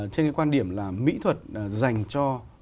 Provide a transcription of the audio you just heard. trên cái quan điểm là mỹ thuật dành cho